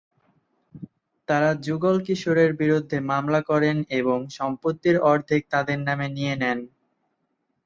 তারা যুগল কিশোরের বিরুদ্ধে মামলা করেন এবং সম্পত্তির অর্ধেক তাদের নামে নিয়ে নেন।